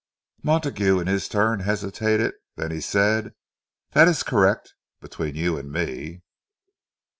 Montague, in his turn, hesitated; then he said, "That is correct—between you and me."